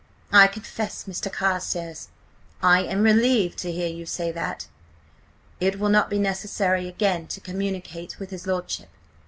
"I confess, Mr. Carstares, I am relieved to hear you say that. It will not be necessary again to communicate with his lordship.